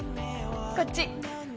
こっち。